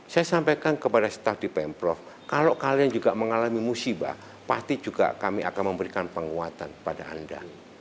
saya sampaikan kepada staf di pemprov kalau kalian juga mengalami musibah pasti juga kami akan memberikan penguatan kepada anda